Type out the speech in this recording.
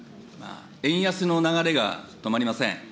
円安の流れが止まりません。